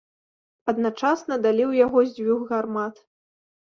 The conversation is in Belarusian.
Адначасна далі ў яго з дзвюх гармат.